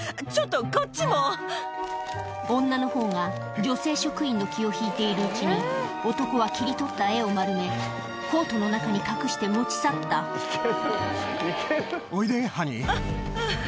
女の方が女性職員の気を引いているうちに男は切り取った絵を丸めコートの中に隠して持ち去ったあっあぁ。